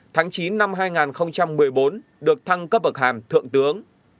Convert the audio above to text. tháng chín năm hai nghìn một mươi bốn được thăng cấp bậc hàm thượng tướng